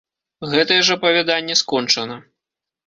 Гэтае ж апавяданне скончана.